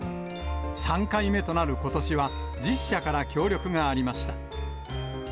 ３回目となることしは、１０社から協力がありました。